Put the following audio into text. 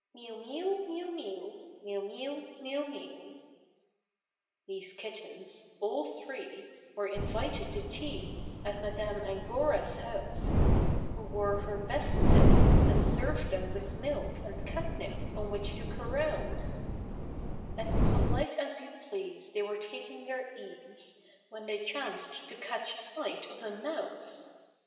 Miew, miew, miew, miew, Miew, miew, miew, miew. These kittens — all three — were invited to tea At Madame Angoras house, Who wore her best silk, and served them with milk And catnip on which to carouse ; 61 THE THREE LITTLE KITTENS. And polite as you please they were taking their ease When they chanced to catch sight of a mouse.